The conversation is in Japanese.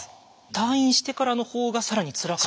退院してからのほうが更につらかった。